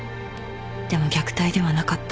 でも虐待ではなかった。